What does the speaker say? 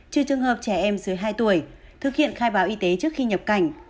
trừ trường hợp trẻ em dưới hai tuổi thực hiện khai báo y tế trước khi nhập cảnh